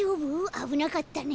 あぶなかったね。